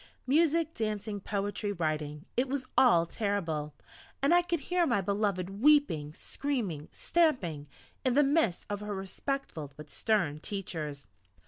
Music, dancing, poetry, writing it was all terrible! and I could hear my beloved weeping screaming stamping, in the midst of her respectful but stern teachers.